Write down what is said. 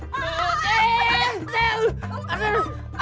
kamu pindah ke bar